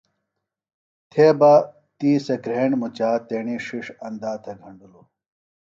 تھے بہ تی سےۡ گھِرینڈ مُچا تیݨی ݜݜ اندا تھےۡ گھنڈِلوۡ